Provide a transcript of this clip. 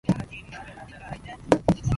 They live in Menston.